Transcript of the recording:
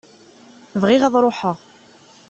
Bɣiɣ ad ruḥeɣ.